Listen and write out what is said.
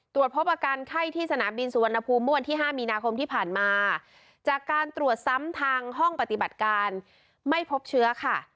ตรวจพบอาการไข้ที่สนามบินสุวรรณภูมิเมื่อวันที่๕มีนาคมที่ผ่านมาจากการตรวจซ้ำทางห้องปฏิบัติการไม่พบเชื้อค่ะ